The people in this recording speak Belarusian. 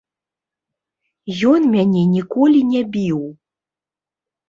Ён мяне ніколі не біў.